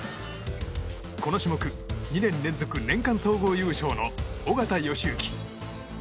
この種目、２年連続年間総合優勝の緒方良行。